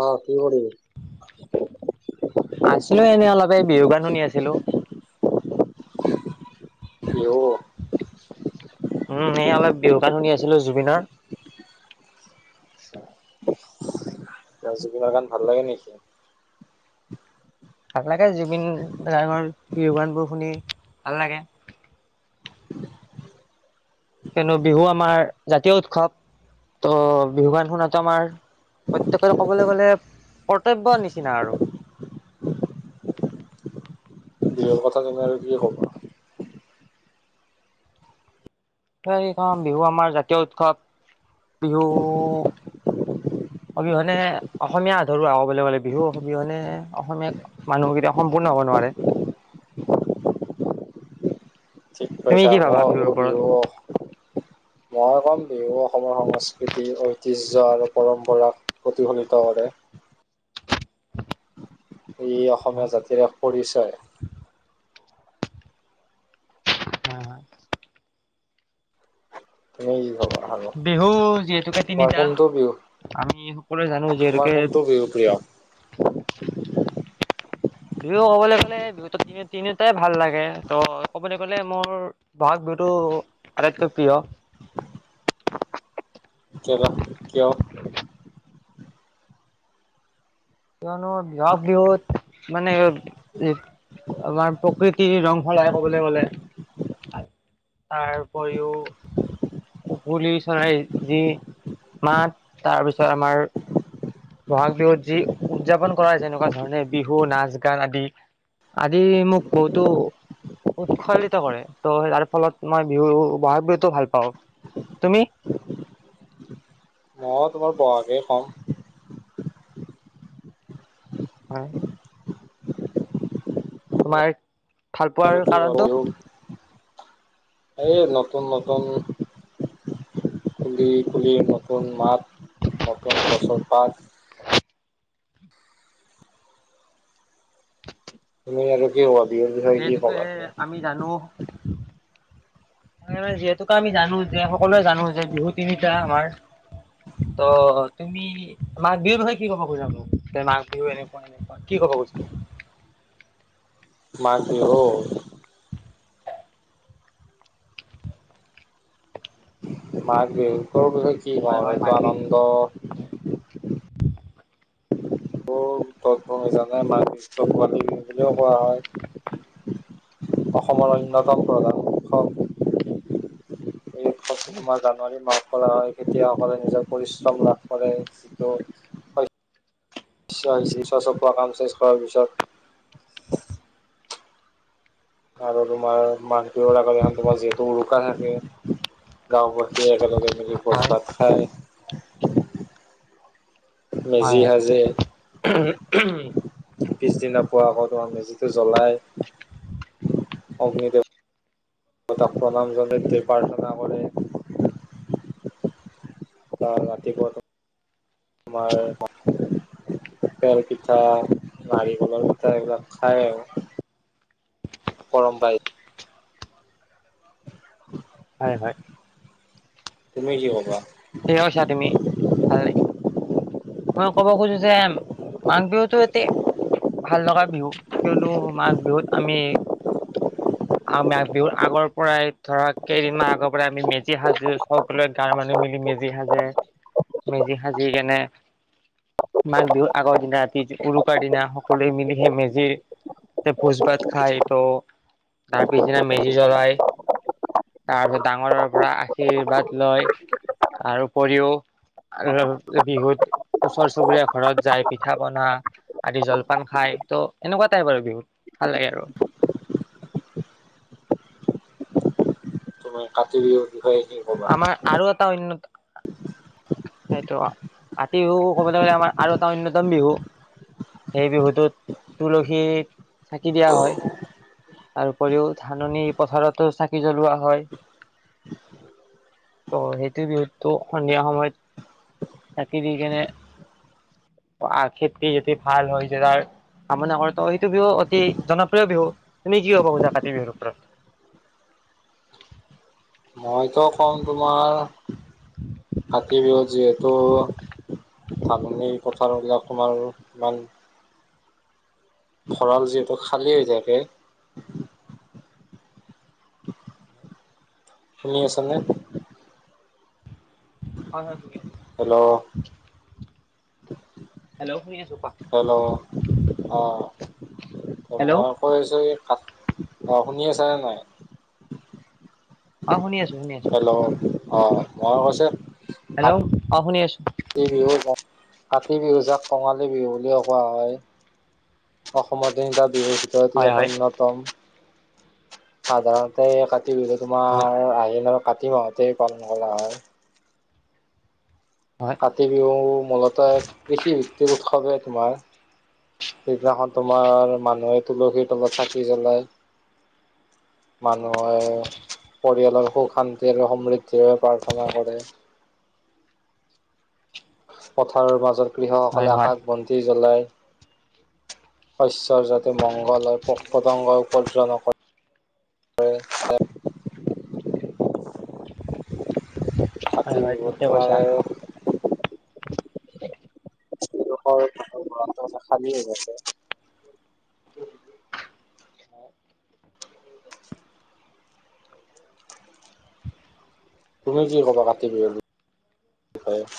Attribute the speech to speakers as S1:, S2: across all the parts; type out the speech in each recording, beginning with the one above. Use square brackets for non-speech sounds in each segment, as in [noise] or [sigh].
S1: অ'। কি কৰি
S2: আছিলো এনেই অলপ, এই বিহু গান শুনি আছিলো।
S1: হেল্ল'।
S2: উম, সেই অলপ বিহু কণ শুনি আছিলো জুবিনৰ।
S1: [inaudible] তেওঁৰ জুবিনৰ গান ভাল লাগে নেকি?
S2: ভাল লাগে, জুবিন ডাঙৰ বিহু গানবোৰ শুনি ভাল লাগে। কিয়নো বিহু আমাৰ জাতীয় উৎসৱ, ত' বিহু গান শুনো, আমাৰ প্ৰত্যয়েকৰে ক'বলৈ গ'লে কৰ্তব্য নিচিনা আৰু।
S1: বিহুৰ কথা, তুমি আৰু কি ক'বা।
S2: কি কম, বিহু আমাৰ জাতীয় উৎস, বিহু অবিহনে অসমীয়া আধৰুৱা কবলৈ গ'লে, বিহু অবিহনে অসমীয়া মানুহ কেতিয়াও সম্পূৰ্ণ হ'ব নোৱাৰে।
S1: ঠিক
S2: তুমি
S1: কৈছা,
S2: কি
S1: মই
S2: ভাবা
S1: হ'ব
S2: বিহুৰ ওপৰত
S1: বিহু মই ক'ম বিহু অসমৰ সমসা সংস্কৃতি ঐতিহ্য পূজা আৰু পৰম্পৰাক প্ৰতিফলিত কৰে। ই অসমীয়া জাতিৰে এক পৰিচয়। তুমি কি ক'বা আৰু
S2: বিহু যিহেতুকে
S1: তোমাৰ
S2: তিনিটা আমি সকলোৱে জানো যিহেতুকে
S1: কোনটো বিহু প্ৰিয়।
S2: বিহু ক'বলৈ গলে, বিহু তিনিটাই ভাল লাগে, ত' ক'বলৈ গ'লে মোৰ বহাগ বিহুতটো আটাইতকৈ প্ৰিয়।
S1: প্ৰিয় কিয়
S2: কিয়নো বহাগ বিহুত মানে, আমাৰ প্ৰকৃতিৰ ৰং সলাই, ক'বলৈ গলে, তাৰ উপৰিও কুলি চৰাই যি মাত তাৰপিছত আমাৰ। বহাগ বিহুত যি উদযাপন কৰা, যেনেকুৱা ধৰণে বিহু নাচ গান আদি, মোক বহুতো উৎসাহিত কৰে, ত, তাৰ ফলত মই বিহু বহাগ বিহুটো ভাল পাওঁ, তুমি?
S1: মই তোমাৰ বহাকেই কম।
S2: হয়।
S1: তুমি
S2: তোমাৰ ভাল
S1: আৰু
S2: পোৱাৰ
S1: কি ক'বা?
S2: কাৰণটো?
S1: বিহু এই নতুন, নতুন, পুলি, পুলি, নতুন মাত, নতুন গছৰ পাত তোমাৰ আৰু কি হ'ল
S2: সেহেতুকে আমি জানো। যিহেতুক আমি জানো। এতিয়া সকলোৱে জানো যে, বিহু তিনিটা আমাৰ। ত' তুমি মাঘ বিহুৰ বিষয়ে কি ক'ব খুজা মোক। ত' মাঘ বিহু এনেকুৱা, এনেকুৱা কি ক'ব খোজা।
S1: মাঘ বিহু। মাঘবিহু। সৰুটো যে কি হয় যিটো আনন্দ তইতো নেজানা মাঘ বিহুক ভোগালী বুলিও কোৱা হয়। অসমৰ অন্যতম
S2: হয়
S1: প্ৰধান। খচমা যান। তহঁতি মাখ খলা হয় কেতিয়া হ'ব। সকলোৱে নিজৰ পৰিশ্ৰম লাভ কৰে যিটো ছ চপোৱা কাম শেষ কৰাৰ পিছত আৰু তোমাৰ মাঘ বিহুৰ আগত এখন তোমাৰ যিহেতু উৰুকা থাকে, গাঁওবাসীয়ে একেলগে মিলি ভোজ ভাত খাই
S2: হয় হয়
S1: মেজি সাজে। পিছদিনা পোৱা আকৌ তোমাৰ মেজিটো জ্বলাই অগ্নিদেৱ দেৱতাক প্ৰণাম জনাই দি প্ৰাৰ্থনা কৰে। ৰাতিপুৱা আমাৰ তেল পিঠা, নাৰিকলৰ পিঠা এইবিলাক খায় আৰু গৰম পাই
S2: হয়-হয়।
S1: তুমি কি ক'বা
S2: ঠিকেই কৈছা তুমি ভাল লাগে। মই ক'ব খুজো যে মাঘ বিহুতো এটা ভাল লগা বিহু, কিয়নো মাঘ বিহুত আমি মাঘ বিহুৰ আগৰ পৰাই ধৰা কেইদিনমান আগৰ পৰাই আমি মেজি সাজো, চববিলাক গাঁৱৰ মানুহ মিলি মেজি মেজি সাজে, মেজি সাজি কেনে মাঘ বিহু আগৰ দিনা ৰাতি উৰুকাৰ দিনা সকলোৱে মিলি সেই মেজি তে ভোজ ভাত খায় ত' তাৰ পিছদিনা মেজি জ্বলাই তাৰপিছত ডাঙৰৰ পৰা আশীৰ্বাদ লয়। তাৰ উপৰিও বিহুত ওচৰ চুবুৰীয়া ঘৰত যায়, পিঠা- পনা আদি জলপান খায় ত' এনেকুৱা টাইপ আৰু বিহুত ভাল লাগে আৰু
S1: তুমি কাতি বিহুৰ বিষয়ে কি ক'বা
S2: আমাৰ আৰু এটা অন্যতম সেইটো কাতি বিহু ক'বলৈ গ'লে আমাৰ আৰু এটা অন্যতম বিহু, সেই বিহুটোত তুলসী চাকি দিয়া হয়। তাৰ উপৰিও ধাননি পথাৰতো চাকি জ্বলোৱা হয়। ত' সেইটো বিহুতটো সন্ধিয়া সময়ত চাকি দি কেনে খেতি যদি ভাল হয় যায় তাৰ কামনা কৰে, ত' সেইটো বিহু অতি জনপ্ৰিয় বিহু তুমি কি কবা খোজা কাতি বিহুৰ ওপৰত।
S1: মইতো কম তোমাৰ কাতি বিহু যিহেতু ত' ধাননি পথাৰবিলাক আমাৰো ইমান ভঁৰাল যিহেতু খালী হৈ থাকে। শুনি আছানে?
S2: হয়-হয় শুনি আছো।
S1: হেল্ল'।
S2: হেল্ল শুনি আছো কোৱা
S1: হেল্ল' অঁ
S2: হেল্ল'
S1: মই কৈ আছোঁ। অ শুনি আছ নে নাই
S2: অ শুনি আছো শুনি আছো
S1: হেল্ল' অ মই কৈছে।
S2: আ শুনি আছোঁ।
S1: বিহুত কাতি বিহু যাক কঙালী বিহু বুলিও কোৱা হয়, অসমৰ তিনিটা ভিতৰত ই
S2: হয়
S1: এক
S2: হয়
S1: অন্যতম। সাধাৰণতে এই কা তি বিহু
S2: হয়
S1: তোমাৰ আহিনৰ কাতি মাহতেই পালন কৰা হয়।
S2: হয়
S1: কাতি বিহু মূলতঃ এক কৃষি ভিত্তিৰ উ উৎসৱে তোমাৰ সিদিনাখন তোমাৰ মানুহে তুলসীৰ তলত চাকি জ্বলায়, মানুহে পৰিয়ালৰ সুখ শান্তি আৰু সমৃদ্ধিৰ বাবে প্ৰাৰ্থনা কৰে। পথাৰৰ মাজত
S2: হয়
S1: কৃষকসকলে
S2: হয়
S1: আকাশ বন্তি জ্বলাই। শস্য যাতে মংগল হক পোক পতংগই উপজই নক ক।
S2: হয়
S1: কাতি
S2: হয়
S1: বিহু
S2: ঠিকে
S1: তোমাৰ
S2: কৈছা [unintelligible]
S1: ন [unintelligible] তুমি কি কবা কাতিৰ বিহুৰ বিষয়ে?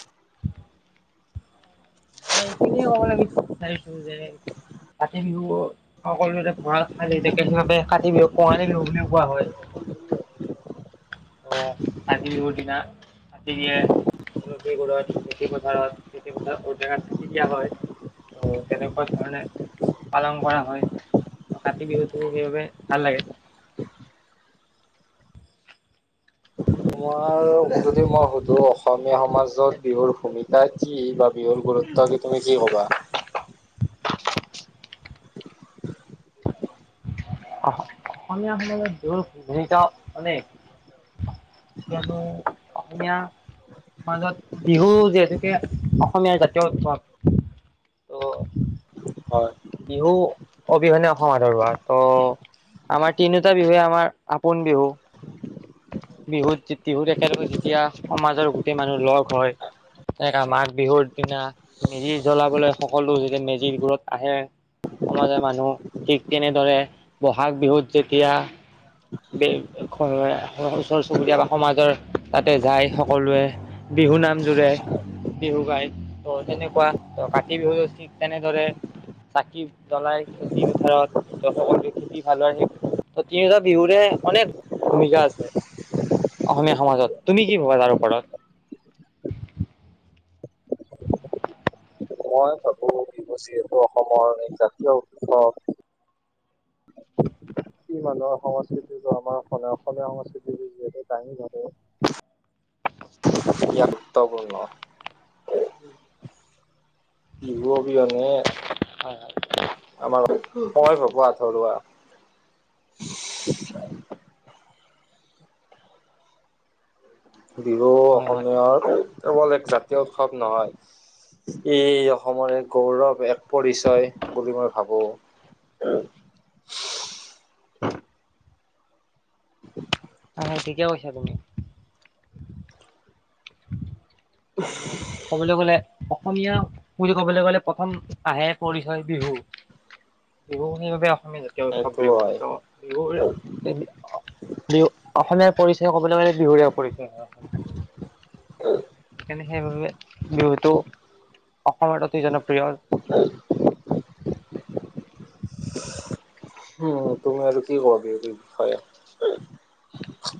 S2: মই এইখিনিয়ে কবলৈ বিচাৰিছো যে কাতি বিহু সকলোতে ভঁৰাল খালী থাকে বাবে কাতি বিহুক কঙালী বিহু বুলিও কোৱা হয়। উম কাতি বিহুৰ দিনা কাতিকে তুলসী তলত খেতি পথাৰত ঔটেঙাৰচাকি দিয়া হয়, ত তেনেকুৱা ধৰণে পালন কৰা হয়, ত কাতি বিহুটো সেইবাবে ভাল লাগে।
S1: তুমি যদি মই সুধোঁ অসমীয়া সমাজত বিহুৰ ভূমিকা কি বা বিহুৰ গুৰুত্ব কি তুমি কি ক'বা?
S2: অসমীয়া মত বিহুৰ ভূমিকা অনেক, কিয়নো অসমীয়াৰ সমাজত বিহু যিহেতুকে অসমীয়াাৰ জাতীয় উৎসৱ। ত
S1: হয়।
S2: বিহু অবিহনে অসম আধৰুৱা। ত' আমাৰ তিনিওটা বিহুে আমাৰ আপোন বিহু। বিহুত বিহুত একেলগে যেতিয়া সমাজৰ গোটেই মানুহ লগ হয়, তেনেককা মাঘ বিহুৰ দিনা মেজি জ্বলাবলৈ সকলো যেতিয়া মেজিৰ গৰত আহে সমাজৰ মানুহ ঠিক তেনেদৰে বহাগ বিহুত যেতিয়া ওচৰ চুবুৰীয়া বা সমাজৰ তাতে যায় সকলোৱে বিহু নাম জোৰে বিহু গায় ত তেনেকুৱা ত কাতি বিহুটো ঠিক তেনেদৰে চাকি জলাই খেতি পথাৰত ত সকলোৱে খেতি ভাল হয় তিনি বিহুৰে অনেক ভূমিকা আছে। অসমীয়া সমাজত তুমি কি ভবা তাৰ ওপৰত?
S1: মই ভাবোঁ বিহু যিহেতু অসমৰ এক জাতীয় উৎসৱ। ই মানুহৰ সংস্কৃতিটো আমাৰ অসম অসমীয়া সংস্কৃতিটো যিহেতু দাঙি ধৰে। ই গুৰুত্বপূৰ্ণ বিহু অবিহনে
S2: হয় হয়।
S1: মই ভাভো আধৰুৱা। বিহু
S2: হয় হয়
S1: অসমীয়ৰ কেৱল এক জাতীয় উৎসৱ নহয়, ই অসমৰ এক গৌৰৱ এক পৰিচয় বুলি মই ভাবো। [unintelligible]
S2: ঠিকে কৈছা তুমি্ কিয়নো কবলৈ গলে? অসমীয়া বুলি ক'বলৈ গ'লে প্ৰথম আহে পৰিচয় বিহু বিহু সেইবাবে। অসমীয়া জাতীয় উৎসৱ বুলি হয় ত' বিহুৰ বিহু অসমীয়াৰ পৰিচয় ক'বলৈ গ'লে বিহুৰে পৰিচয় হয় অসম সেইকাৰণে সেইবাবে বিহুতটো অসমত অতি জনপ্ৰিয়।
S1: উম, উম তুমি আৰু কি কবা বিহুৰ বিষয়ে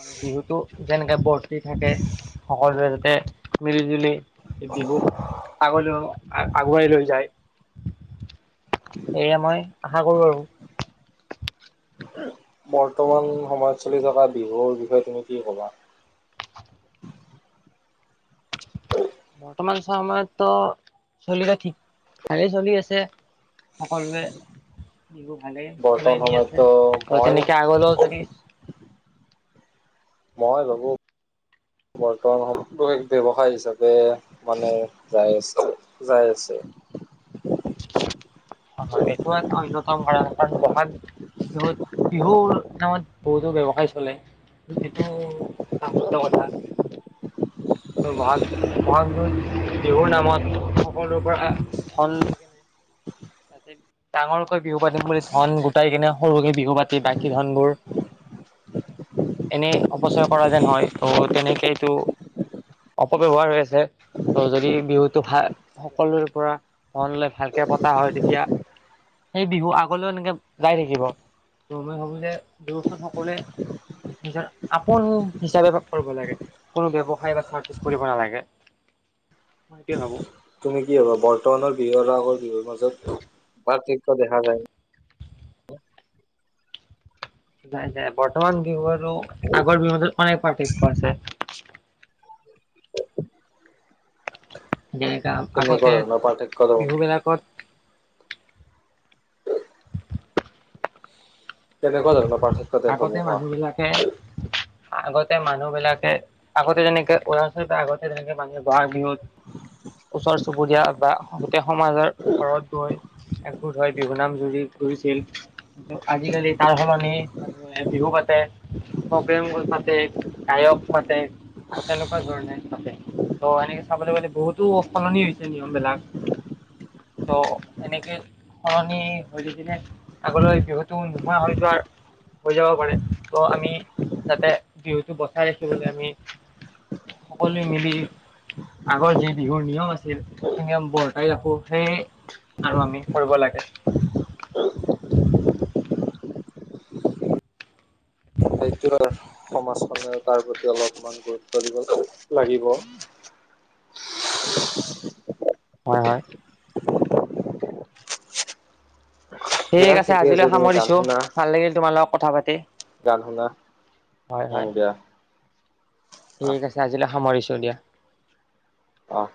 S2: আৰু বিহুতটো যেনেকে বৰ্তি থাকে সকলোৱে যাতে মিলি জুলি বিহু আগলৈ আগুৱাই লৈ যায় সেে মই আশা কৰো আৰু। তুমি
S1: বৰ্তমান সমাজত চলি থকা বিহুৰ বিষয়ে তুমি কি ক'বা।
S2: বৰ্তমান সময়তো চললে ঠিক ভালেই চলি আছে সকলোৱে। আগে চলাই
S1: বৰ্তমান
S2: নি আছে
S1: সময়তো
S2: তই
S1: মই
S2: তেনেকে আগলৈও যদি
S1: মই ভাবো বৰ্তমান সকল ব্যৱসায় হিচাপে মানে যাই আছে যাই আছে।
S2: হয়- হয় এইটো এটা অনয়তম কাৰণ কাৰণ বহাগ বিহুত বিহুৰ নামত বহুতো ব্য্য়ৱসায় চলে এইটো এটা শুদ্ধ্য কথা। বহাগ বহাগ বিহুৰ নামত সকলোৰে পৰা ধন লৈ ডাঙৰকৈ বিহু পাতিম বুলি ধন গোটাই কিনে সৰুকে বিহু পাতি বাকী ধন বোৰ এনেই অপচয় কৰা যেন হয় ত' তেনেকে এইটো অপব্ৱহাৰ হৈ আছে ত' যদি বিহুটো ভাল সকলোৰে পৰা ধন লৈ ভালকে। তাৰ হয় তেতিয়া সেই বিহু আগলৈও এনেকৈ যাই থাকিব ত মই ভাবোঁ যে দুয়স্থ সকলোৱে নিজৰ আপোন হিচাপে কৰিব লাগে কোনো ব্যৱসায় বা চাৰ্ফিফ কৰিব নালাগে মই এইটোৱে ভাবোঁ।
S1: তুমি কি হবা বৰ্তমানৰ বিহু আৰু আগৰ বিহুৰ মাজত পাৰ্থক্যয় দেখা যায়।
S2: নাই -নাই বৰ্তমান বিহুত আৰু আগৰ বিহুটোত অনেক পাৰ্থক্য আছে
S1: [inaudible]
S2: এটা
S1: কেনেকুৱা
S2: আগতে
S1: ধৰণৰ পাৰ্থক্য
S2: বিহু বিলাকত। [inaudible]
S1: কেনেকুৱাধৰণৰ।
S2: আগতে মানুহ বিলাকে আগতে মানুহ বিলাকে আগতে যেনেকে উদচল আগতে যেনেকে মানুহে বহাগ বিহু। ওচৰ চুবুৰীয়া বা গোটেই সমাজৰ ঘৰত গৈ একগোট হৈ বিহুনাম জুৰি ঘূৰিছিল কি আজিকালি তাৰ সলনি। বিহু পাতে প্ৰগেম পাতে গায়ক পাতে তেনেকুৱা ধৰণে পাতে ত' এনেকে চাবলৈ গ'লে বহুতো সলনি হৈছে নিয়ম বিলাক ত' এনেকে সলনি হৈ থ কিনে আগলৈ বিহুতটো নোহোৱা হৈ যোৱাৰ। হৈ যাব পাৰে ত' আমি যাতে বিহুটো বচাই ৰাখিবলৈ আমি সকলোৱে মিলি আগৰ যি বিহুৰ নিয়ম আছিল সেই নিয়ম বৰ্তাই ৰাখো সেই আৰু আমি কৰিব লাগে।
S1: সেইটো সমাজখনেও তাৰ প্ৰতি অলপমান গুৰুত্ব দিব লাগিব।
S2: হয়- হয়
S1: দিয়া
S2: ঠিক আছে
S1: ঠিকে
S2: আজিলৈ
S1: তুমি গান
S2: সামৰিছো
S1: শুনা
S2: ভাল লাগিল তোমালোক। কথা পাতি।
S1: গান গুনা।
S2: হয় হয়
S1: অ' দিয়া আহ
S2: ঠিক আছে আজিলৈ সামৰিছো। সামৰিছোঁ দিয়া
S1: অ '